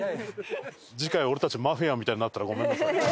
次回俺たちマフィアみたいになったらごめんなさい。